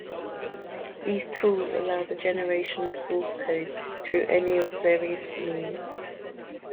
These tools allow the generation of source code through any of various means.